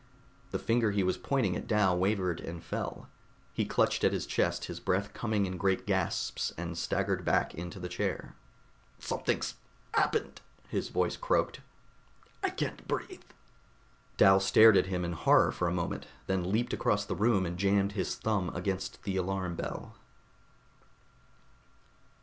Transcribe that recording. The finger he was pointing at Dal wavered and fell. He clutched at his chest, his breath coming in great gasps and staggered back into the chair. "Something's happened," his voice croaked. "I can't breathe." Dal stared at him in horror for a moment, then leaped across the room and jammed his thumb against the alarm bell.